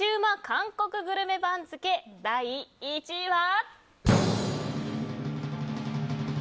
韓国グルメ番付第１位は。